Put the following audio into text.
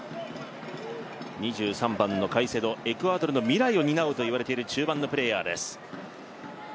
２３番のカイセド、エクアドルの未来を担うといわれている中盤のプレーヤーです。